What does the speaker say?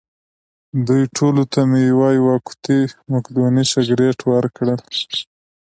دوی ټولو ته مې یوه یوه قوطۍ مقدوني سګرېټ ورکړل.